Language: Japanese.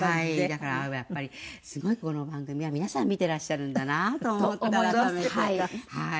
だからやっぱりすごいこの番組は皆さん見てらっしゃるんだなと。と思いますはい。